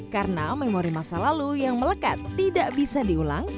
karena memori masa lalu yang melekat tidak bisa diulang